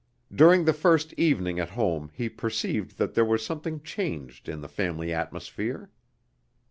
During the first evening at home he perceived that there was something changed in the family atmosphere.